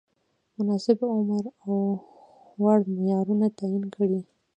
مناسب عمر او وړ معیارونه تعین کړي.